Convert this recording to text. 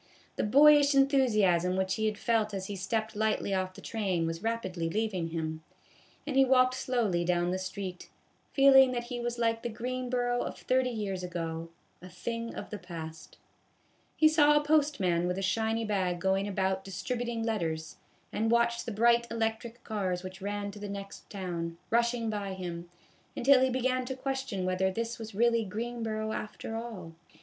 The boyish enthusiasm which he had felt as he stepped lightly off the train was rapidly leaving him, and he walked slowly down the street, feeling that he was like the Greenboro of thirty years ago, a thing of the past. He saw a postman with a shiny bag going about distributing letters, and watched the bright electric cars which ran to the next town, rushing by him, until he began to question whether this was really Greenboro after all.